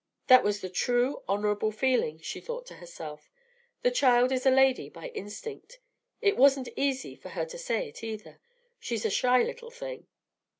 "That was the true, honorable feeling," she thought to herself; "the child is a lady by instinct. It wasn't easy for her to say it, either; she's a shy little thing.